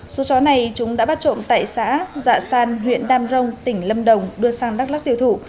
số chó này chúng đã bắt trộm tại xã dạ san huyện đam rông tỉnh lâm đồng đưa sang đắk lắc tiêu thụ